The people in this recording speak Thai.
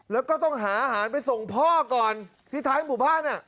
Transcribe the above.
แล้วก็ต้องหาอาหารไปส่งพ่อก่อนที่ท้ายหมู่บ้าน